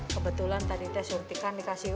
kebetulan tadi teh surti kan dikasih